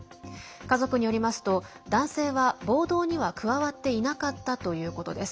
家族によりますと男性は暴動には加わっていなかったということです。